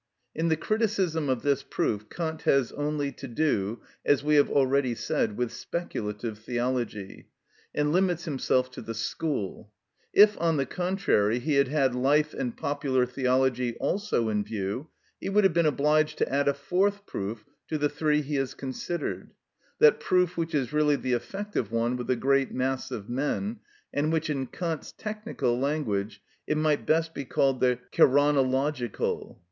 In the criticism of this proof Kant has only to do, as we have already said, with speculative theology, and limits himself to the School. If, on the contrary, he had had life and popular theology also in view, he would have been obliged to add a fourth proof to the three he has considered—that proof which is really the effective one with the great mass of men, and which in Kant's technical language might best be called the keraunological.